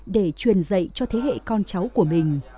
để truyền dạy cho thế hệ con cháu của mình